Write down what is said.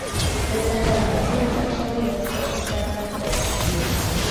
They find that the buzzing is actually voices at a sped-up pace.